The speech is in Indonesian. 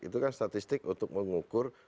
itu kan statistik untuk mengukur